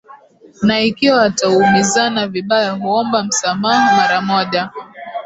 na ikiwa wataumizana vibaya huomba msamaha mara moja